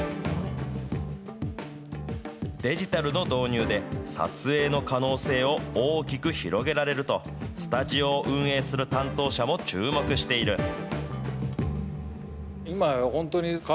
デジタルの導入で、撮影の可能性を大きく広げられると、スタジオを運営する担当者も注目している。